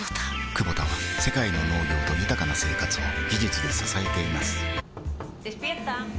クボタは世界の農業と豊かな生活を技術で支えています起きて。